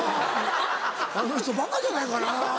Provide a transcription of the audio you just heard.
あの人バカじゃないかな？」。